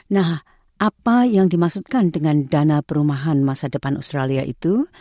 nah apa yang dimaksudkan dengan dana perumahan masa depan australia itu